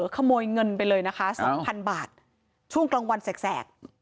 ขโมยเงินไปเลยนะคะ๒๐๐๐บาทช่วงกลางวันแสก